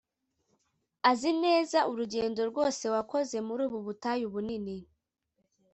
azi neza urugendo rwose wakoze muri ubu butayu bunini